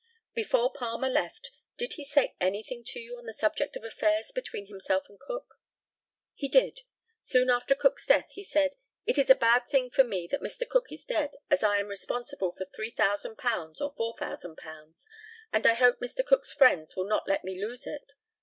Before Palmer left, did he say anything to you on the subject of affairs between himself and Cook? He did. Soon after Cook's death, he said, "It is a bad thing for me that Mr. Cook is dead, as I am responsible for £3,000 or £4,000, and I hope Mr. Cook's friends will not let me lose it.